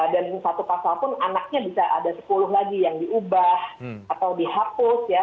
satu pasal pun anaknya bisa ada sepuluh lagi yang diubah atau dihapus ya